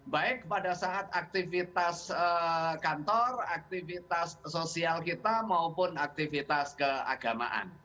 baik pada saat aktivitas kantor aktivitas sosial kita maupun aktivitas keagamaan